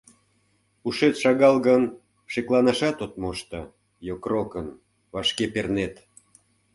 Ушет шагал гын, шекланашат от мошто, йокрокын! вашке пернет.